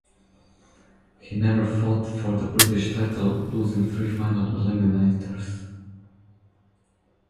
He never fought for the British title, losing three final eliminators.